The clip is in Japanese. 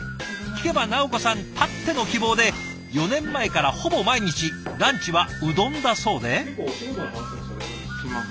聞けば直子さんたっての希望で４年前からほぼ毎日ランチはうどんだそうで。